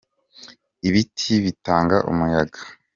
Ibiti bitanga umuyaga.